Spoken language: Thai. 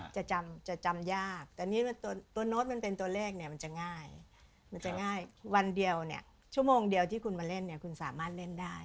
จะจำยากแต่นี่ตัวโน้ตมันเป็นตัวเลขเนี่ยมันจะง่ายมันจะง่ายวันเดียวเนี่ยชั่วโมงเดียวที่คุณมาเล่นเนี่ยคุณสามารถเล่นได้